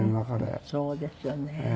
そうですよね。